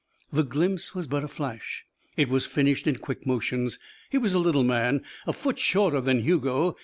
The glimpse was but a flash. It was finished in quick motions. He was a little man a foot shorter than Hugo.